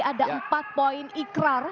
ada empat poin ikrar